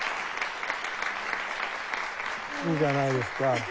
いいじゃないですか。